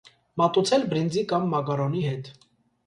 Մատուցել բրինձի կամ մակարոնի հետ։